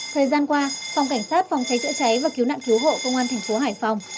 thời gian qua phòng cảnh sát phòng cháy chữa cháy và cứu nạn cứu hộ công an thành phố hải phòng